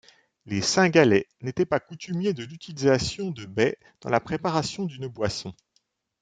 Les Cingalais n'étaient pas coutumiers de l'utilisation de baies dans la préparation d'une boisson.